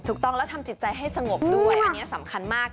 ถูกต้องแล้วทำจิตใจให้สงบด้วยอันนี้สำคัญมาก